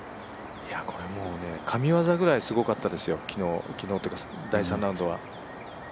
これもう、神業くらいすごかったですよ、第３ラウンドは。